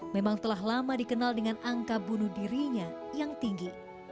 memang telah lama dikenal dengan angka bunuh dirinya yang tinggi